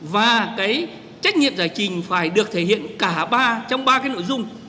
và cái trách nhiệm giải trình phải được thể hiện cả ba trong ba cái nội dung